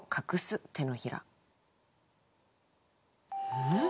うん？